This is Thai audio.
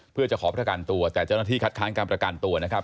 เพื่อจะขอประกันตัวแต่เจ้าหน้าที่คัดค้านการประกันตัวนะครับ